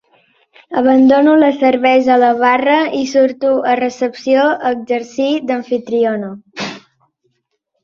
Abandono la cervesa a la barra i surto a recepció a exercir d'amfitriona.